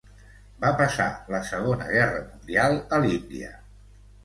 Va passar la Segona Guerra Mundial a l'Índia.